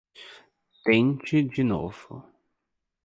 Tente de novo.